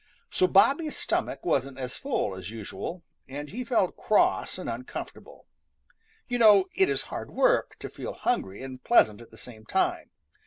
So Bobby's stomach wasn't as full as usual, and he felt cross and uncomfortable. You know it is hard work to feel hungry and pleasant at the same time.